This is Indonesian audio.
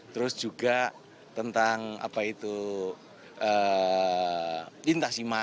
terus juga tentang apa itu lintas iman